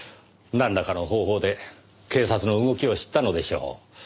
なんらかの方法で警察の動きを知ったのでしょう。